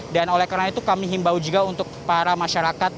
dan oleh karena itu kami himbau juga untuk para masyarakat